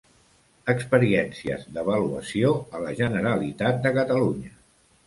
Experiències d'avaluació a la Generalitat de Catalunya.